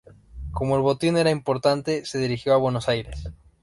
Como el botín era importante, se dirigió a Buenos Aires.